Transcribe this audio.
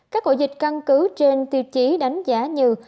các ổ dịch căn cứ trên tiêu chí đánh giá như